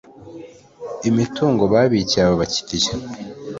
imitungo babikiye abo bakiriya